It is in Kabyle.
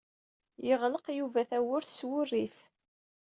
Yeɣleq Yuba tawwurt s wurrif.